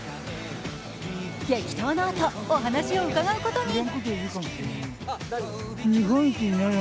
激闘のあと、お話を伺うことに。